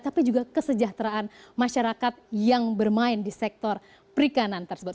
tapi juga kesejahteraan masyarakat yang bermain di sektor perikanan tersebut